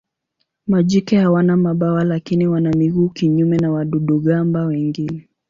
Majike hawana mabawa lakini wana miguu kinyume na wadudu-gamba wengine.